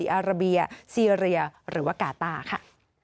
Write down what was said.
อาราเบียซีเรียหรือว่ากาต้าค่ะ